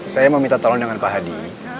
saya mau minta tolong dengan pak hadi